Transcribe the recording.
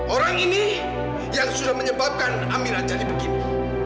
orang ini yang sudah menyebabkan amila jadi begini